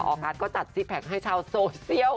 ออกัสก็จัดซิกแพคให้ชาวโซเชียล